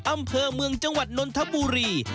อำเภอเมืองจังหวัดนนทบุรี